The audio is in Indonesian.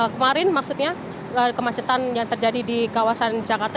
kemarin maksudnya kemacetan yang terjadi di kawasan jakarta